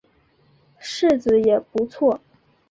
柿子也不错